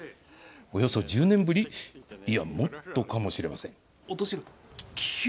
およそ１０年ぶり、いやもっとかもしれません。